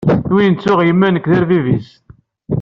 Win tuɣ yemma nekk d arbib-is.